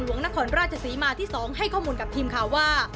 นครราชศรีมาที่๒ให้ข้อมูลกับทีมข่าวว่า